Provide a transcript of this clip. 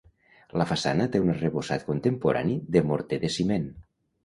La façana té un arrebossat contemporani de morter de ciment.